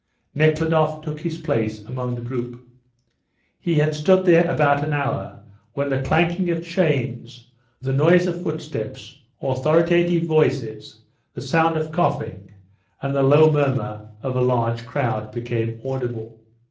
Nekhludoff took his place among the group. He had stood there about an hour when the clanking of chains, the noise of footsteps, authoritative voices, the sound of coughing, and the low murmur of a large crowd became audible.